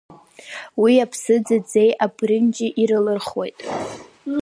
Уи аԥсыӡ аӡеи абрынџьи ирылырхуеит.